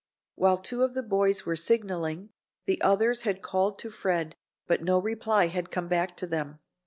While two of the boys were signalling, the others had called to Fred but no reply had come back to them.